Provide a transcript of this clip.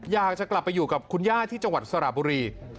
อยากจะกลับไปอยู่กับคุณย่าที่จังหวัดสระบุรี